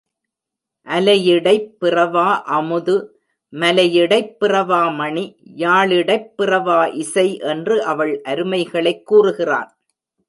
அலையிடைப் பிறவா அமுது, மலையிடைப் பிறவா மணி, யாழிடைப் பிறவா இசை என்று அவள் அருமைகளைக் கூறுகிறான்.